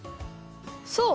そう。